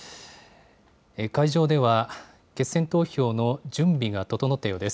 会場では決選投票の準備が整ったようです。